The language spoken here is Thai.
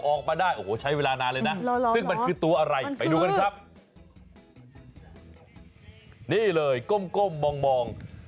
โอ้โหใช้เวลานานเลยนะซึ่งมันคือตัวอะไรไปดูกันครับนี่เลยก้มมอง